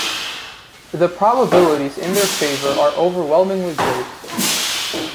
The probabilities in their favor are overwhelmingly great.